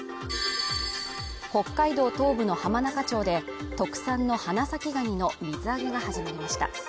北海道東部の浜中町で特産の花咲ガニの水揚げが始まりました。